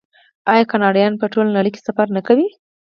آیا کاناډایان په ټوله نړۍ کې سفر نه کوي؟